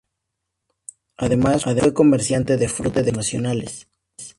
Además fue comerciante de frutos nacionales.